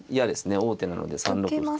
王手なので３六歩と。